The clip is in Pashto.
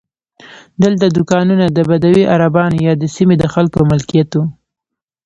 دلته دوکانونه د بدوي عربانو یا د سیمې د خلکو ملکیت وو.